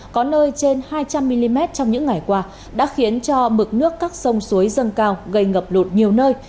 có nơi trên hai trăm linh mm trong những ngày qua đã khiến cho mực nước các sông suối dâng cao gây ngập lụt nhiều nơi